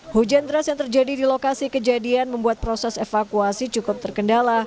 hujan teras yang terjadi di lokasi kejadian membuat proses evakuasi cukup terkendala